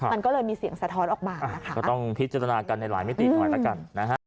มันก็เลยมีเสียงสะท้อนออกมานะคะก็ต้องพิจารณากันในหลายมิติหน่อยแล้วกันนะฮะ